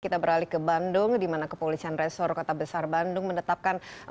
kita beralih ke bandung di mana kepolisian resor kota besar bandung menetapkan